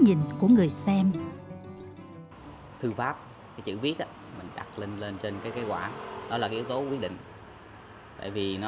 nhìn của người xem thư pháp chữ viết mình đặt lên lên trên cái quả đó là yếu tố quyết định tại vì nó